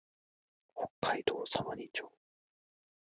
北海道様似町